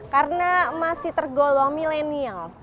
karena masih tergolong milenial